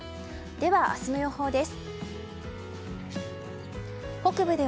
では、明日の予報です。